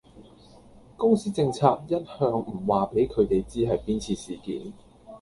公司政策一向唔話俾佢地知係邊次事件